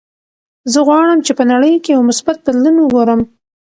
زه غواړم چې په نړۍ کې یو مثبت بدلون وګورم.